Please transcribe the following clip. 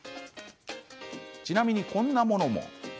ちなみに、こんなものも。